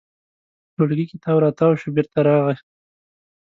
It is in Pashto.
په ټولګي کې تاو راتاو شو، بېرته راغی.